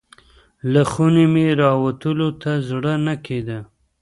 له خونې مې راوتلو ته زړه نه کیده.